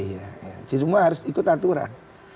jadi semua harus ikut aturan